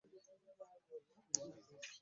Mu Buganda abantu abamu bamanyi okubumba.